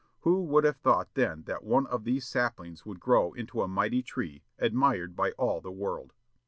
Who would have thought then that one of these saplings would grow into a mighty tree, admired by all the world?